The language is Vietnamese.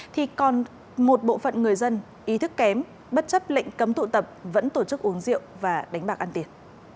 thì còn một bộ phận người dân ý thức kém bất chấp lệnh cấm tụ tập vẫn tổ chức uống rượu và đánh bạc ăn tiền